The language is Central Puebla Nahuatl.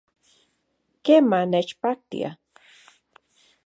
Kema, nechpaktia